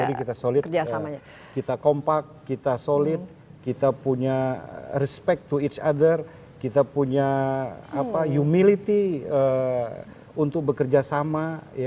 kita solid kita kompak kita solid kita punya respect to each other kita punya humility untuk bekerja sama